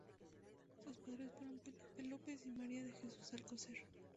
Sus padres fueron Felipe López y María de Jesús Alcocer.